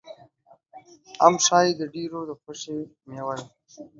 ام ښایي د ډېرو د خوښې مېوه وي.